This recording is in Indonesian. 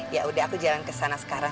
ya udah aku jalan kesana sekarang